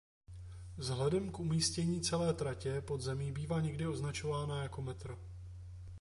Vzhledem k umístění celé tratě pod zemí bývá někdy označována jako metro.